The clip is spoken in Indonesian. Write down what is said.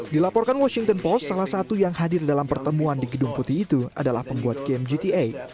dilaporkan washington post salah satu yang hadir dalam pertemuan di gedung putih itu adalah pembuat game gta